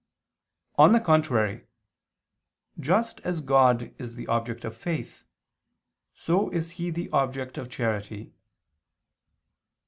On the contrary, Just as God is the object of faith, so is He the object of charity.